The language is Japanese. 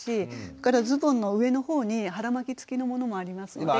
それからズボンの上の方に腹巻き付きのものもありますので。